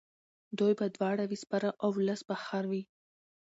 دوی به دواړه وي سپاره اولس به خر وي.